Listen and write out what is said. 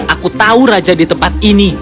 aku tahu raja di tempat ini